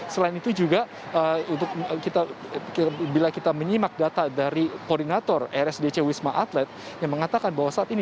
selain itu juga bila kita menyimak data dari koordinator rsdc wisma atlet yang mengatakan bahwa saat ini